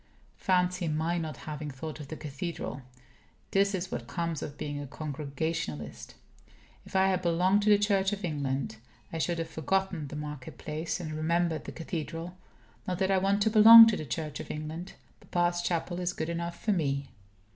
Fancy my not having thought of the cathedral! This is what comes of being a Congregationalist. If I had belonged to the Church of England, I should have forgotten the market place, and remembered the cathedral. Not that I want to belong to the Church of England. Papa's chapel is good enough for me.